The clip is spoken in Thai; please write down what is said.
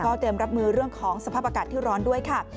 เตรียมรับมือเรื่องของสภาพอากาศที่ร้อนด้วยค่ะ